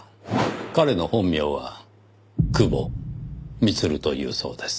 彼の本名は久保充というそうです。